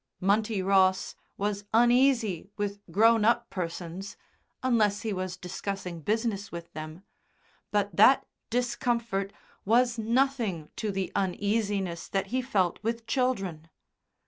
Munty Ross was uneasy with grown up persons (unless he was discussing business with them), but that discomfort was nothing to the uneasiness that he felt with children.